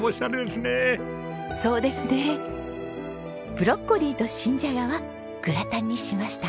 ブロッコリーと新ジャガはグラタンにしました。